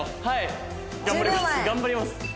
はい頑張ります。